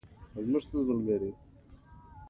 ازادي راډیو د کرهنه د نړیوالو نهادونو دریځ شریک کړی.